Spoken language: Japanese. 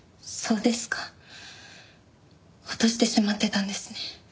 そうですか落としてしまってたんですね。